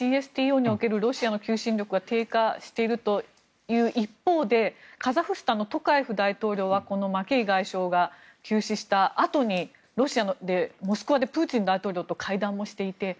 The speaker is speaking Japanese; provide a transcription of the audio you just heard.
ＣＳＴＯにおけるロシアの求心力は低下しているという一方でカザフスタンのトカエフ大統領はこのマケイ外相が急死したあとにロシアのモスクワでプーチン大統領と会談もしていて。